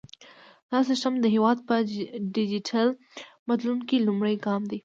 دا سیستم د هیواد په ډیجیټل بدلون کې لومړی ګام دی۔